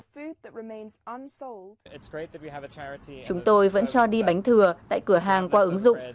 chúng tôi vẫn cho đi bánh thừa tại cửa hàng qua ứng dụng